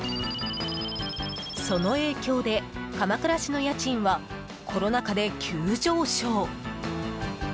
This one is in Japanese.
その影響で、鎌倉市の家賃はコロナ禍で急上昇。